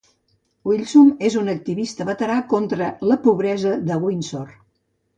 Wilson és un activista veterà contra la pobresa de Windsor.